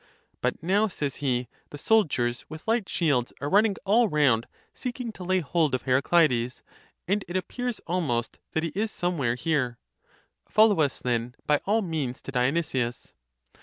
But now, says he, the soldiers with light shields are running all round seeking to lay hold of Heracleides; and it appears . almost that he is some where here. Follow us then, by all means, to Dionysius.